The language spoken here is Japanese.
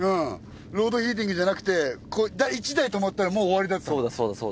ロードヒーティングじゃなくて１台止まったらもう終わりだった。